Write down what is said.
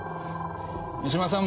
三島さん